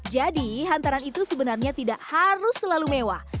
hantaran itu sebenarnya tidak harus selalu mewah